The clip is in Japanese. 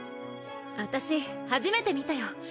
私初めて見たよ。